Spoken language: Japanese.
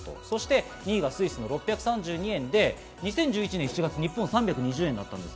２位がスイスの６３２円で２０１１年７月、日本は３２０円です。